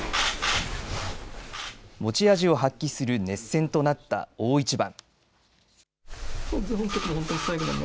持ち味を発揮する熱戦となった大一番。